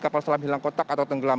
kapal selam hilang kotak atau tenggelam